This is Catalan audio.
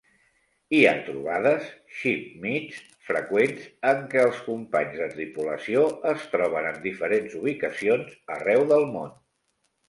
Hi ha trobades "Shipmeets" freqüents en què els companys de tripulació es troben en diferents ubicacions arreu del món.